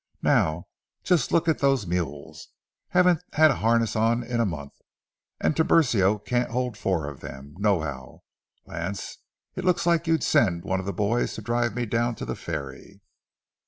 Now, just look at those mules—haven't had a harness on in a month. And Tiburcio can't hold four of them, nohow. Lance, it looks like you'd send one of the boys to drive me down to the ferry."